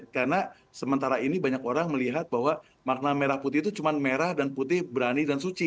karena sementara ini banyak orang melihat bahwa makna merah putih itu cuma merah dan putih berani dan suci